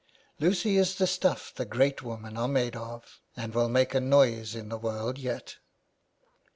" Lucy is the stuff the great women are made of, and will make a noise in the world yet."